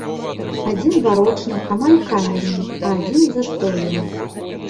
Адзін барочны, амаль камерны, а адзін застольны.